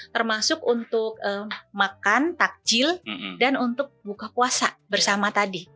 termasuk untuk makan takjil dan untuk buka puasa bersama tadi